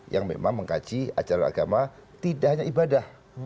yang memang mengkaji ajaran agama tidak hanya ibadah